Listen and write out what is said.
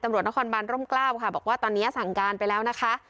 ตำรวจนครบานร่มกล้าวค่ะบอกว่าตอนนี้สั่งการไปแล้วนะคะ